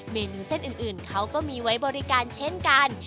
เมนูเส้นอื่นเขาก็มีไว้บริการเช่นกัน